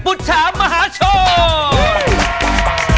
ปุฏฉามหาโชว์